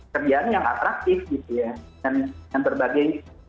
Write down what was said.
kerjaan yang atraktif gitu ya dan berbagai